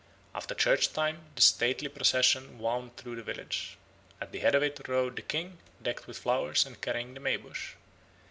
After church time the stately procession wound through the village. At the head of it rode the king, decked with flowers and carrying the May bush.